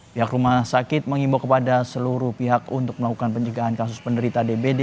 pihak rumah sakit mengimbau kepada seluruh pihak untuk melakukan penjagaan kasus penderita dbd